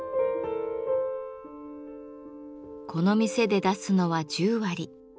この店で出すのは十割。